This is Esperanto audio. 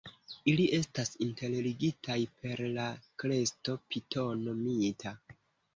Ili estas interligitaj per la kresto Pitono Mita.